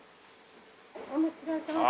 お待ちどおさまです。